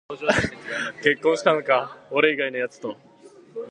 結婚したのか、俺以外のやつと